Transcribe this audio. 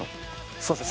そうですね。